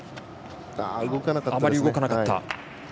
あまり動かなかったか。